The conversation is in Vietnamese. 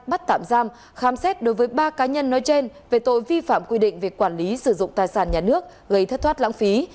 bắt tạm giam khám xét đối với ba cá nhân nói trên về tội vi phạm quy định về quản lý sử dụng tài sản nhà nước gây thất thoát lãng phí